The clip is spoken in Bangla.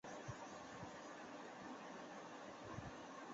কার্গো আদান-প্রদানে সিঙ্গাপুর বন্দর বিশ্বের তৃতীয় ব্যস্ততম বন্দর।